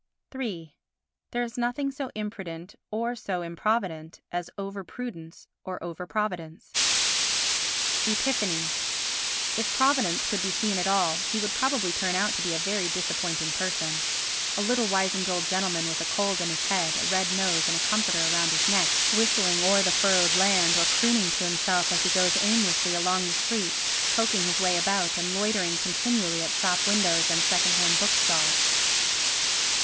iii There is nothing so imprudent or so improvident as over prudence or over providence. Epiphany If Providence could be seen at all, he would probably turn out to be a very disappointing person—a little wizened old gentleman with a cold in his head, a red nose and a comforter round his neck, whistling o'er the furrow'd land or crooning to himself as he goes aimlessly along the streets, poking his way about and loitering continually at shop windows and second hand book stalls.